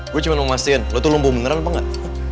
gue cuma numesin lo tuh lumpuh beneran apa enggak